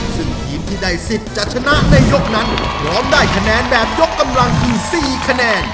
ซึ่งทีมที่ได้สิทธิ์จะชนะในยกนั้นพร้อมได้คะแนนแบบยกกำลังคือ๔คะแนน